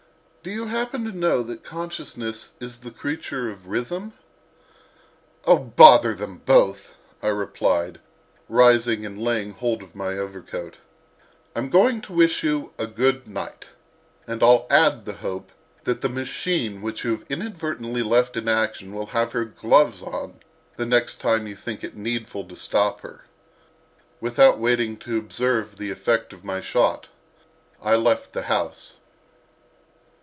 Do you happen to know that Consciousness is the creature of Rhythm?" "O bother them both!" I replied, rising and laying hold of my overcoat. "I'm going to wish you good night; and I'll add the hope that the machine which you inadvertently left in action will have her gloves on the next time you think it needful to stop her." Without waiting to observe the effect of my shot I left the house.